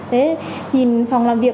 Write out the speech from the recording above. nhìn phòng làm việc